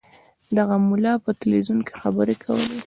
دغه ملا په تلویزیون کې خبرې کولې.